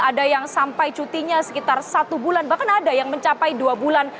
ada yang sampai cutinya sekitar satu bulan bahkan ada yang mencapai dua bulan